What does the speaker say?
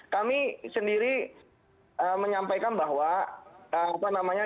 kami sendiri menyampaikan bahwa